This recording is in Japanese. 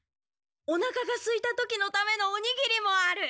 おなかがすいた時のためのおにぎりもある。